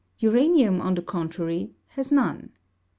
Uranium, on the contrary, has none.